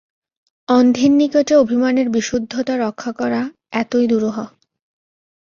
অন্ধের নিকটে অভিমানের বিশুদ্ধতা রক্ষা করা এতই দুরূহ।